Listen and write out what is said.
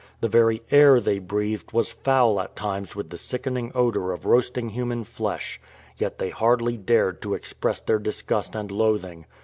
The very air they breathed was foul at times with the sickening odour of roasting human flesh. Yet they hardly dared to express their disgust and loathing.